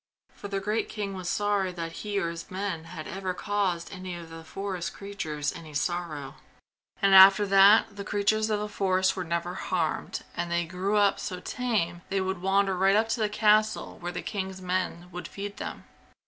For the great king was sorry that he or his men had ever caused any of the forest creatures any sorrow. And after that the creatures of the forest were never harmed and they grew up so tame they would wander right up to the castle, where the king's men would feed them.